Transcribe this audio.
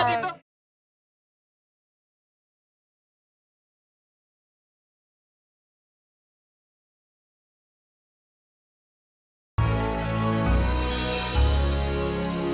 gue kena kalau gitu